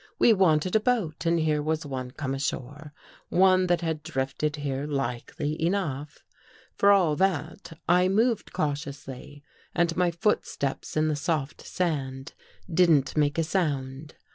We wanted a boat, and here was one come ashore — one that had drifted here likely enough. For all that I moved cautiously and my footsteps in the soft sand didn't make a sound.